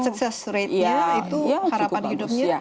dan sukses ratenya itu harapan hidupnya